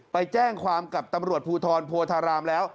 ไปแจ้งความกับตำรวจภูทรโพธารามแล้ว